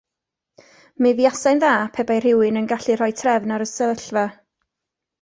Mi fuasai'n dda pe bai rhywun yn gallu rhoi trefn ar y sefyllfa.